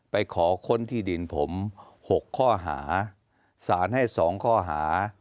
ไปขอค้นที่ดินผม๖ข้อหาสารให้๒ข้อหา